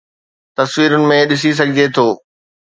تصويرن ۾ ڏسي سگھجي ٿو